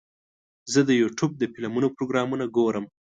زه د یوټیوب د فلمونو پروګرامونه ګورم.